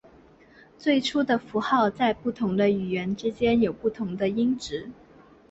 最初的符号在不同语言之间有不同的音值。